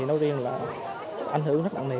nói riêng là ảnh hưởng rất đặng nề